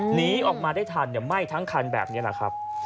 หนีออกมาได้ทันไหม้ทั้งคันแบบนี้แหละครับ